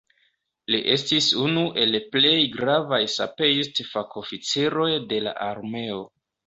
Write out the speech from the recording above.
Li estis unu el plej gravaj sapeist-fakoficiroj de la armeo.